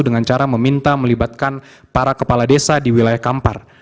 dengan cara meminta melibatkan para kepala desa di wilayah kampar